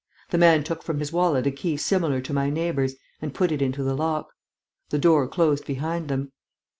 The man took from his wallet a key similar to my neighbour's and put it into the lock. The door closed behind them.